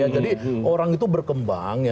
jadi orang itu berkembang